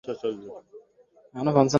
সে আমার অভিশপ্ত ভাই।